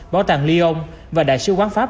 bảo tàng lyon và đại sứ quán pháp